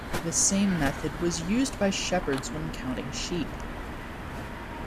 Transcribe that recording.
The same method was used by shepherds when counting sheep.